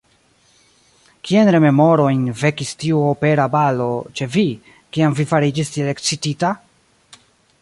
Kiajn rememorojn vekis tiu opera balo ĉe vi, kiam vi fariĝis tiel ekscitita?